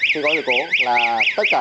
khi có dự cố